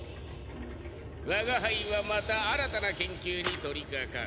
わが輩はまた新たな研究に取りかかる。